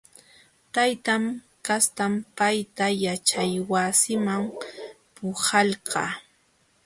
Taytan kastam payta yaćhaywasiman puhalqa.